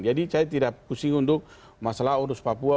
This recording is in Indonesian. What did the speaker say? jadi saya tidak pusing untuk masalah urus papua